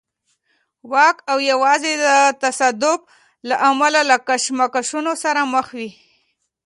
واک او یوازې د تصادف له امله له کشمکشونو سره مخ وي.